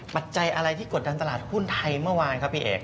ปัจจัยอะไรที่กดดันตลาดหุ้นไทยเมื่อวานครับพี่เอก